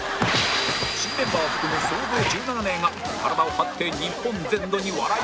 新メンバーを含む総勢１７名が体を張って日本全土に笑いをお届け！